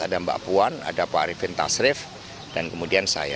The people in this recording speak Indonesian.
ada mbak puan ada pak arifin tasrif dan kemudian saya